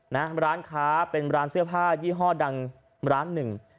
นะร้านค้าเป็นร้านเสื้อผ้ายี่ห้อดังร้านหนึ่ง